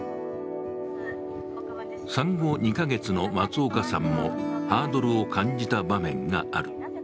産後２か月の松岡さんもハードルを感じた場面がある。